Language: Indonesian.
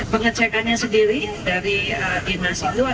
pengecekannya sendiri dari dinasidu